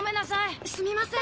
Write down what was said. すみません。